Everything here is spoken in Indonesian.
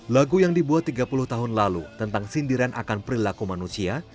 lagu yang dibuat tiga puluh tahun lalu tentang sindiran akan perilaku manusia